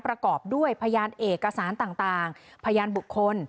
ประกอบด้วยพยานเอกสารต่างพยานบุคคล